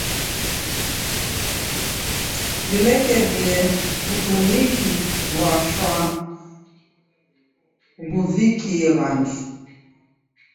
W'ilekerie w'udumiki ghwa shwaa ghuvikie w'andu.